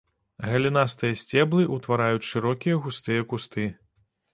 Галінастыя сцеблы ўтвараюць шырокія густыя кусты.